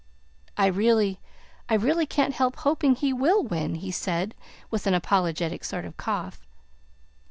"I really I really can't help hoping he will win!" he said, with an apologetic sort of cough.